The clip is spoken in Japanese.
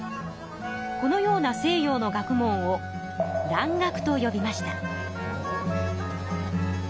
このような西洋の学問を蘭学とよびました。